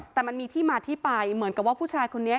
แต่มันมีที่มาที่ไปเหมือนกับว่าผู้ชายคนนี้